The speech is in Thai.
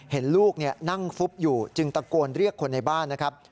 เห็นลูกนั่งฟุบอยู่จึงตะโกนเรียกคนในบ้านนะครับ